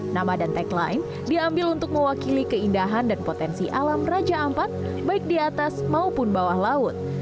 nama dan tagline diambil untuk mewakili keindahan dan potensi alam raja ampat baik di atas maupun bawah laut